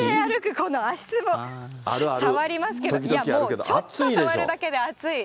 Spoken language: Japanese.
この足ツボ、触りますけど、もうちょっと触るだけで熱い。